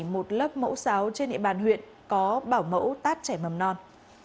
một lớp mẫu sáo trên địa bàn huyện có bảo mẫu tát trẻ mầm non